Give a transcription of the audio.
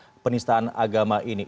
dugaan penistaan agama ini